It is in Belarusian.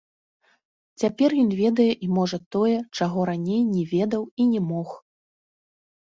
Цяпер ён ведае і можа тое, чаго раней не ведаў і не мог.